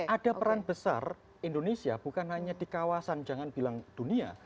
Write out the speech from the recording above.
ada peran besar indonesia bukan hanya di kawasan jangan bilang dunia